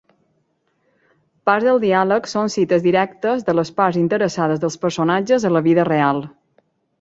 Parts del diàleg són cites directes de les parts interessades dels personatges a la vida real.